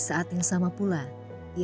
kalau udah sesak tuh ya gak bisa